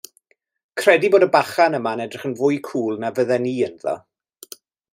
Credu bod y bachan yma'n edrych yn fwy cŵl 'na fydden i ynddo.